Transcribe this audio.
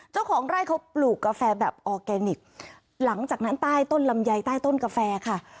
เจ้าของไร่เขาปลูกกาแฟแบบออร์แกนิคหลังจากนั้นใต้ต้นลำไยใต้ต้นกาแฟค่ะ